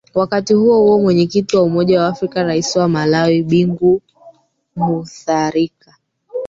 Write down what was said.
wakati huohuo mwenyekiti wa umoja wa afrika rais wa malawi bingu mutharika